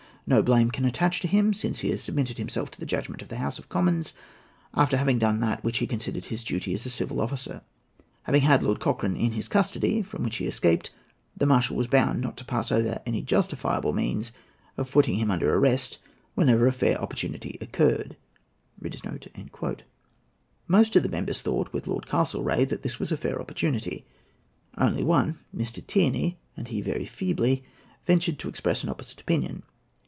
No blame can attach to him, since he has submitted himself to the judgment of the House of Commons after having done that which he considered his duty as a civil officer. Having had Lord Cochrane in his custody, from which he escaped, the marshal was bound not to pass over any justifiable means of putting him under arrest whenever a fair opportunity occurred." Most of the members thought, with Lord Castlereagh, that this was a "fair opportunity." Only one, Mr. Tierney—and he very feebly—ventured to express an opposite opinion.